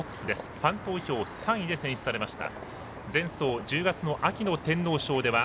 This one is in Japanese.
ファン投票３位で選出されました。